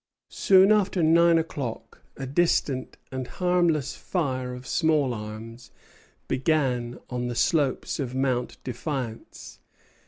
Soon after nine o'clock a distant and harmless fire of small arms began on the slopes of Mount Defiance.